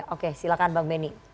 oke silakan mbak benny